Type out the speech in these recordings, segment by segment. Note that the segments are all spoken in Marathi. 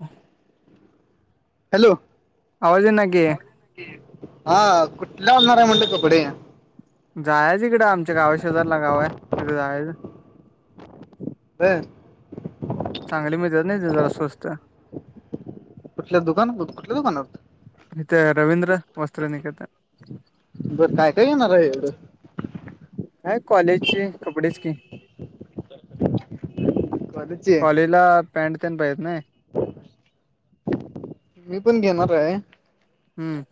ह. हॅलो आजी नागी हा कुठला असणार आहे म्हणत कपडे जायच इकडं आमच्या गावा शेजरला गाव आहे तिथं जायचं. ह. चांगली मिळतात नाही जरा स्वस्त कुठल्या दुकानावर हो कुठल्या दुकानावरत म ते रवींद्र. वस्त्र निकेतन बस काय काय येणार एवढं. काय कॉलेजची कपडे की- का? कॉलीला पॅ्ट त्यान पाहि येत नाही. मी पण घेणार आहे. हम्म.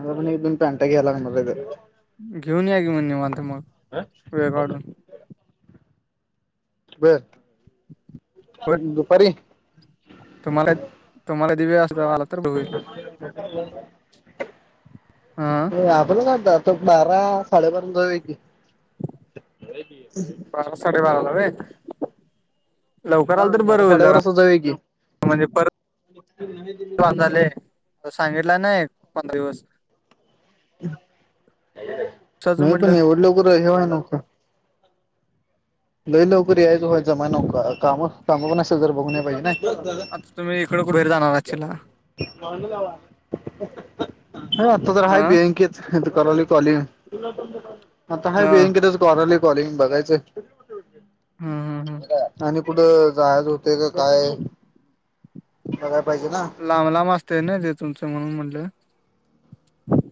आ पण एक दोन पॅनटा घ्याय लागणारथ. घेऊन याग म्हणवता मग हह वेळ हो ना. काढून बस होय दुपारी तुम्हाला तुम्हाला दिव्य अस आला तर बघईल हा नाही आपण काढतात तर बारा साडेबारा जाऊ क बार साडे बाराला लवकरला हा तर बरं बारा होईल जरा साडेबारा असं जाऊया की म्हणजे परत झाले. सांगितला ना पंधरा दिवस कशाचं नाही पण म्हटलं एवढ लोकवाय न का? लई लवकररी यायच व्हायचमा न काम काम पण असेल जर बघण्या पाहिजे. ना आता तुम्ही इकडं उभेर जाणार आचेला गन जावा. हा आता तर हाय हा बियाँंकेत कराल कॉली. आता ह हा बींकडेच कॉलल कॉलिंग बघायचंय. हम हम हम. आणि कुठं जाहाज होते का काय बगाय पाहिजे ना. लांब लांब असते ना ते तुमचं म्हणून म्हटलं.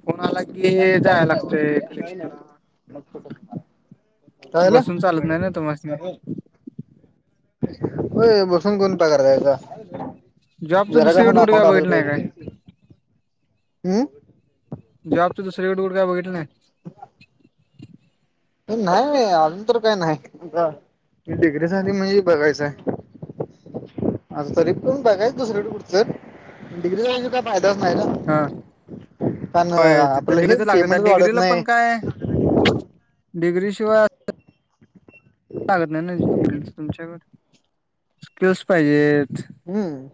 फोन आला की त्या कायच जायला नाही लागतय बरट कलेक्शनला तुम. कायलं. बसून चालत नाही ना तुम्हासनी हो बसून कोण प कतायचा जॉबचं जरा काासून दुसरीकडे कुठं अकाउंट काय आलेला बघितलं नाही पाहिजे. काय हम्. जबाबच्या दुसरीकडेकडे काय बघित. लंय नाही अजून तर काही नाही. डग्रीसाठी म्हणजे बघायचंय. आता तरी करण ब कायच दुसरकडे कुचं डिग्री जायची का. फायदाच नाही ना. हा पण होय तिथं आपलं हे डिग्रीच लागतात पेमेंटच वाढत नाही. डग्री सिवाय. सगत नाही नाही तुमच्यावर. स्किल्स पाहिजेत. हम्म.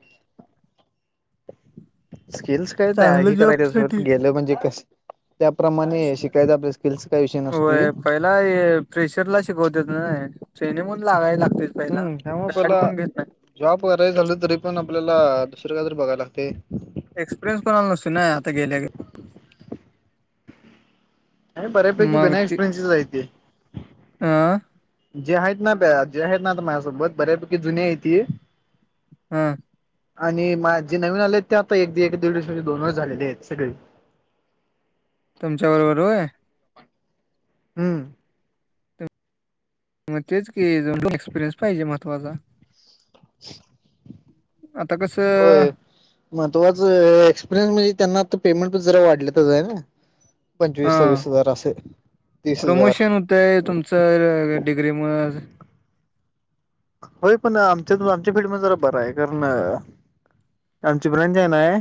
स्किल्स कायत चांगलं हे जॉब करायलाोत साठी गेलं म्हणजे कस. त्याप्रमाणे शिकायच आपल्या स्किल्स काय विषय नसतोय. ला प्रेशर ला शिकवतेत ना ट्रेन मून लागावी लागते. हम्म हव्हा पला. जॉब कराय झालं तरी पण आपल्याला दुसरं काय जरी बघायला लागते. एक्सपिरिन्स पणाला नस ना नाही आता गेल्या. नाही बऱ्यापैकी बि एक्परयन्सेस आहे. तये हां. जे आहेत ना प्या जे आहेत ना माझ्यासोबत बऱ्यापैकी जुन आहे ती. हम्म. आणि मा जे नवीन आले आहेत ते आता एक द दीड दिस म्हजे दोनच झालेले आहेत सगळे. तुमच्या बरोबर आहे. हम्म. मग तेच की एक्सपिरियन्स पाहिजे महत्वाचा. [inaudible] आता कसं. महत्वाचं एक्सपिरियन्स म्हणजे त्यांना आ. पेमेंट पण जरा वाढले तरच आहे ना पंचवीस हा सव्वीस हजार असे तीस हजार. ते तुमचं डिग्री म्ह. होय पण आमच्या आमच्या फिड म जरा बर आहे कारण. आमची प्रणजय ना आहे.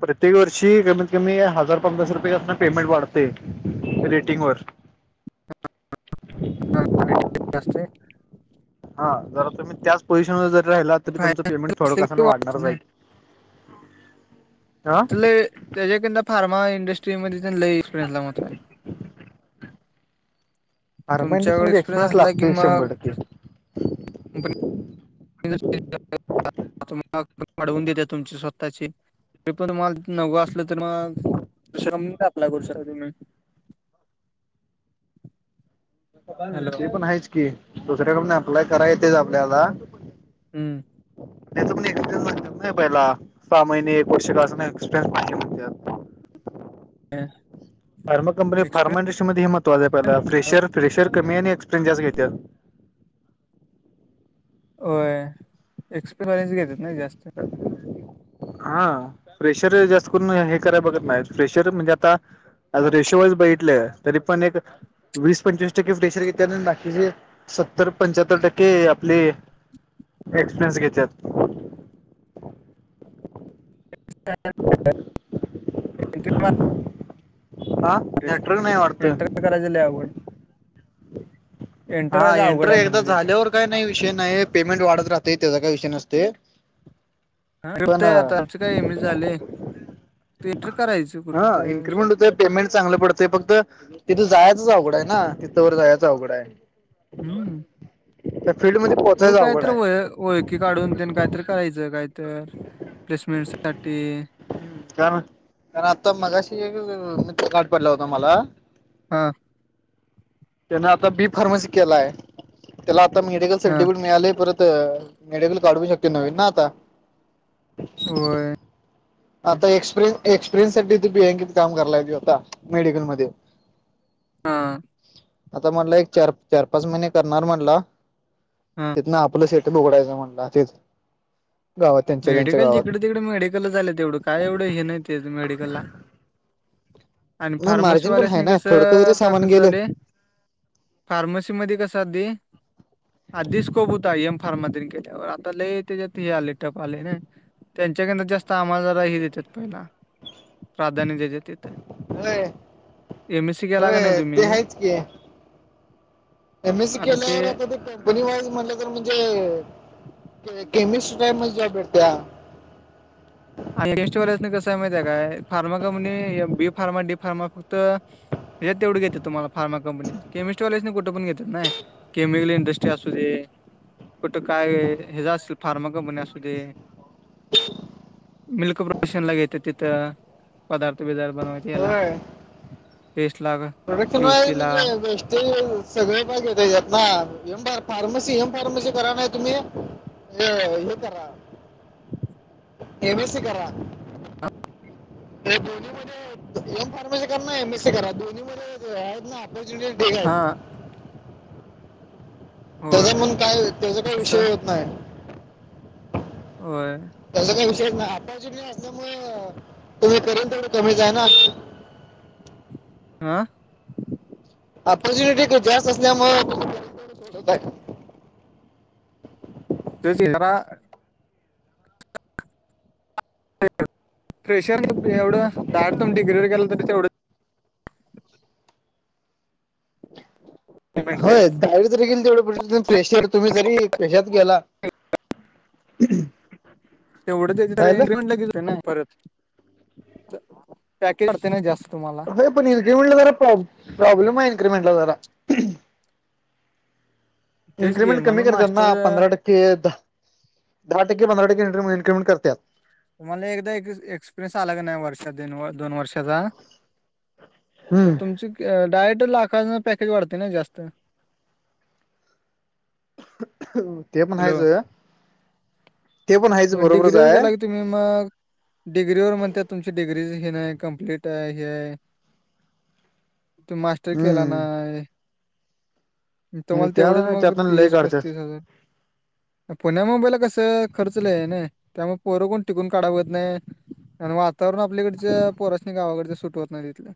प्रत्येक वर्षी कमीत कमी हजार पन्नास रुपये कर असना पेमेंट वाढते रेटिंग वर. ह. ह असते हा जरा तुम्ही त्याच पोझिशन वध्ये जरी राहिला तरी तुमचं पेमेंट थोडं कसा वाढणारच आहे. हा त त्याच्याक फार्मा इंडस्ट्री म त्यां एक्सपिरियन्स लात. अरा म तुमच्याकडे एक्सपिरियन्स इंटजक्सपिरयनस असला की लातो मग शभर टक्के. मलाडवून देते तुमची स्वतःची पण त मला नवं असलं तर मग त रम अ्लाय करू शकता तुम्ही? हॅलो पण आहेच की दुसऱ्याकड अप्लाय करा येतच आपल्याला हम्म त्याच पण एक नाही पहिला सा महिने पोका एक्सपरियन्स नाहीणतत ह फार्मा कंपनी फार्मा इंडस्ट्रीमध्येध्ये हे महत्वां आहे पल्याला फेशर फ्रेशर कमी आणि एक्पिरें्स घेते. होय एक्सप्रेस वाेस घेतात ना जास्त. [inaudible] हा प्रेशर जास्त करून हे कराय बघत नाही प्रेशर म्हणजे आता आ रेशो वस बितले तरी पण एक वीस पंचवीस टक्के्ट रेशर घेते बाकीचे सत्तर पंच्याहत्तर टक्के आपले एक्सपिरियन्स घेतात. [unintelligible] [unintelligible] हा टरिस्टी नेटवर्क नाही वाटतं एंटर करायच लवड हा करायचं अवघड एंट्री आहे एकदा म्हटलं तिथं. झाल्यावर काही नाही विषय नाही पेमेंट वाढत राहते त्याचा काय विषय नसते पण आताच काय ए म झालेय थिएटर करायचं कुठे हा तर इन्क्रीमेंट होते पेमेंट चांगलं पडतें फक्त तिथं जायच अवघडा आहे ना तिथं ववर जायचं अवघडा आहे. हम्म त्या फील्डमध्ये श होू पोहोचायचं अवघड कायत्र आहे की काढून देन काहीत करायचं काय तर प्लेसमेंट साठी कारण कारण आता मगाशीत गठ पडला होता मला हा त्यांन आता बी फार्मसी केलाय त्याला आता मेडिकल हा सर्टिफिकेट मिळाले परत मेडिकल काढू शक्य नव्न ना आता वय. आता एक्सपिरिय एक्सपिरियन्सठी त बिँ क काम कय आता मेडिकलमध्येध्ये. [unintelligible] हा. आता म्हटला एक चार चार पाच महिने करणार म्हटला हा. तिथन आपलं शेट बुघडायं म्हण ते मेडिकल जिकडे तिकडे मेडिकल झाले तेवढं काय एवढं हे नाही ते मेडिकलला आणि नाही मार्जिन पण फार्मसीवाल्याच आहे नाही ना थोडक कसं जरी आता सामान कसं गेलं झालं फार्मसी मध्ये कस आधी आधी स्कप होता एम फार्मातने केल्यावर आता लय त्याच्यात हे आले. प आले ना त्यांच्याक जास्त आम्हाला जही देतात पहिला प्राधान्य द्यायचे तिथे होय एमएसी केेला का नाही होय तुम्ही ते आहेच की एम एससी केल्यावर आता ते कंपनी वाईज म्हटलं तर म्हणजे केमिस्ट कायमजय पेर त्या आणि टेस्ट वच कस आहे माहिती आहे काय pharma company B pharma D pharma फक्त यात तेवढ घेत तु्हाला फार्मा कंपनी केमिस्ट्रीवालेजने कठं पण घेत नाही केमिकल इंडस्ट्री असू दे कुठं काय हे ज असतील फार्मा कंपनी असू दे [unintelligible] मिल्क प्रोशन लाग ययेतं तिथं पदार्थ बिदार्थ बनवाय ला होय टेस्ट ला क्युसी ला ते सगळे बाग येतच्यात ना हेम फार्मसी हेम फार्मसी करा ना तुम्ही अ येतार ए बससी करा. अरे दोन्ही मध्ये एम फार्मसी करा ना एम एस सी करा दोन्ही मध्ये आहेत ना ु ेक हा आहेत. होय त्याचा म्हणून काय त्याचा काही असं विषय होत नाही. होय. त्याचा काही विषय नाही आता असल्यामुळे तुम्ही करेल तर त्या जाय ना आं अपॉर्च्युनिटी ख जास्त असल्या म त तरा प्रेशर मग एवढं दाड तुमडग्रीवर गेलं तर तेवढं पेमेंट द्या होय ा तरी गे ज तेवढ पेशीर तुम्ही जरी पेशात गेला कायलं तेवढंचेच परत पॅकेज पते ना जास्त तुम्हाला पण इनक्रीमेंटला जरा प्रॉ प्रॉब्लेम आहे इनक्रीमेंटला जरा तेच घे इन्क्रिमेंट कमी म्हणून करत ना मास्टर पंधरा टक्के ते द दहा टक्के पंधरा टक्के इन्क्रीिमेंट करतात तुम्हाला एकदा एक्सपिरियन्स आला क नाही वर्षात दोन वर्षाचा तर हम्म तुमची डायट लाखांना पॅकेज वाढते ना जास्त ते पण हॅलो हाचोया मग डिग्री वर गेला की तुम्ही मग डिग्री व म्हणत तुमची डिग्रीज हेी नाही कम्प्लीट आहे हे आहे तू मास्टर केला ना हम्म तुम्हाला तेवढंच त्या मग त्यातून लय तीस काढतात पस्तीस हजार पुण्या मोबाईल कसं खर्चल आहे ना त्यामुळे पोरं कोण टिकून काढावत नाही आणि वा तरण आपल्याकडच्या पोरसणी गावाकडच सुटवत नाही तिथलं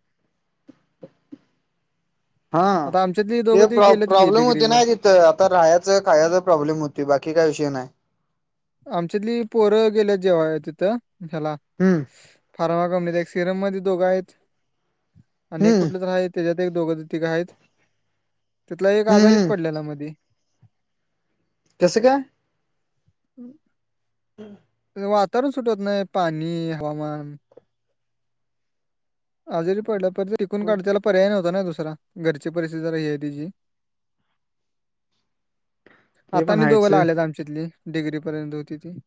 हा आता आमच्यातली दोघं ते ती प्रॉ गेलेत की प्रॉब्लेम होते ना डिग्रीवर आता राहायच काय प्रॉब्लेम होती बाकी काही विषय नाही आमच्यातली पोरं गेल्या जेव्हा आहे तिथं ह्याला हम्म फारमा कंनीत एक सिरम मध्ये दोघं आहेत आणिक हम्म कुठलेच आहेत त्याच्यात एक दोघ तघ आहेत त्यािथला एक हम्म आजारीच हम्म पडलेला मध कसं काय हम् हम् वातावरण सुटवत नाही पाणी हवामान हजेरी पडल्या परर्य टिकून काढताला पर्याय नव्हता ना दुसरा घरची परिस्थिती ज ह आहे तिची ते आता पण नाही दोघं हायचं लागल्यात आमच्यातली डिग्री पर्यंत होती ती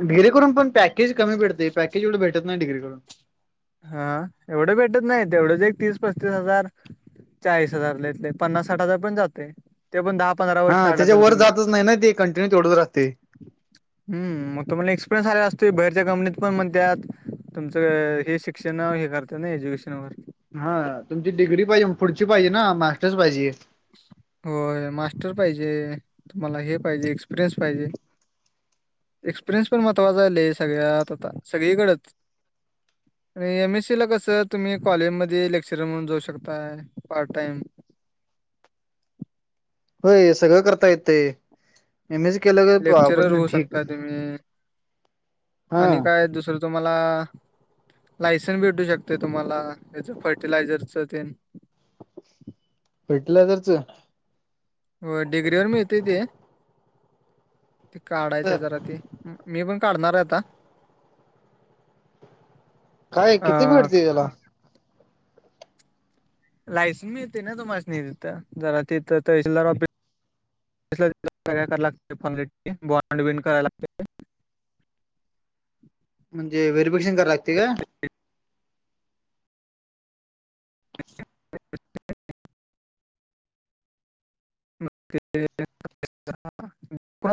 डग्रीे करून पण पॅके कमी भटते पॅके एवढे भेटत नाही डगेडून हा एवढं भेटत नाही तेवढंच एक तीस पस्तीस हजार चाळीस हजारलाेतले पन्नास साठ हजार पण जाते ते पण दहा पंधरा हा वर्ष काढला त्याच्या तर वर तुम्ही जातच नाही ना ते कंटिन्यू तेथोड असते हम मग तुम्हाला एक्सपिरियन्स आलेला असतो बाहेरच्या कंपनीत पण म्हणतात तुमच शिक्षण हे करत ना एज्युकेशन वगर हा तुमची डिग्री पाहिजे पुढची पाहिजे ना मास्टर्स पाहिजे हो मास्टर पाहिजे तुम्हाला हे पाहिजे एक्सपिरियन्स पाहिजे एक्सपिरियन्स पण महत्वाचालेय सगळ्यात आता सगळीकडेच आणि एम एस सी ला कसं तुम्ही कॉलेजमध्येध्ये लेक्चर म्हणून जाऊ शकताय पार्ट टाइम होय सगळं करता येते एम एच केलं लेक्चरर होऊ ठीक. शकता तुम्ही आणि हा काय दुसरं तुम्हाला लायसन भेटू शकते तुम्हाला या फर्टिलायझरच ते भेटलं तरच हो डिग्री वर मिीळतेय ते ते तर काढायचंय जरा ते मी पण काढणार आहे आता काय किती अ भेडते त्याला लायसन मिळते ना तुम्हा तथ जरा तिथं करा लाग फ बॉनड बंड कराय लागते म्हणजे व्हेरीफिकेशन कराय लागते का ह म